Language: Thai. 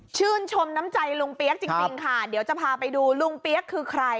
ชื่นชมน้ำใจลุงเปี๊ยกจริงค่ะเดี๋ยวจะพาไปดูลุงเปี๊ยกคือใคร